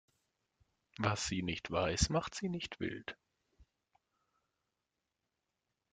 Was sie nicht weiß, macht sie nicht wild.